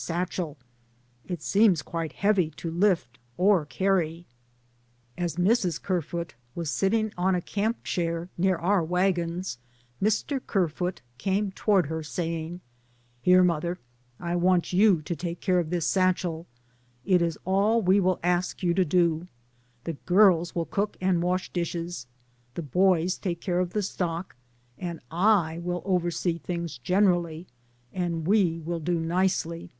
satchel — it seems quite heavy to Hft or carry. As Mrs. Kerfoot was sitting on a camp chair near our wagons, Mr. Kerfoot came toward her, saying, ''Here, mother, I want you to take care of this satchel, it is all we will ask you to do, the girls will cook and wash dishes, the boys take care of the stock, and I will oversee things generally, and we will do nicely."